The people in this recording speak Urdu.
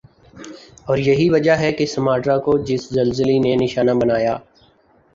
ور یہی وجہ ہی کہ سماٹرا کو جس زلزلی نی نشانہ بنایا